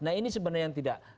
nah ini sebenarnya tidak